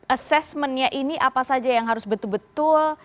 assessmentnya ini apa saja yang harus betul betul